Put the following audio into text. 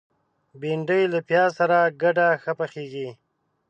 بېنډۍ له پیاز سره ګډه ښه پخیږي